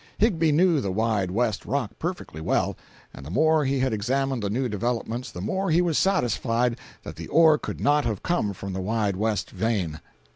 Higbie knew the Wide West rock perfectly well, and the more he had examined the new developments the more he was satisfied that the ore could not have come from the Wide West vein.